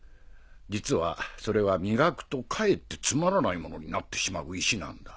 実はそれは磨くとかえってつまらないものになってしまう石なんだ。